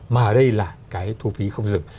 mà ở đây là cái thu phí không dừng